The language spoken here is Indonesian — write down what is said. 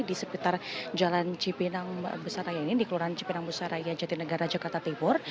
di seputar jalan cipinang besar raya ini di keluaran cipinang besar raya jati negara jakarta timur